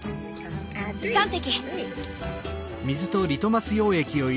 ３滴。